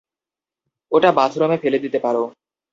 ওটা বাথরুমে ফেলে দিতে পারো।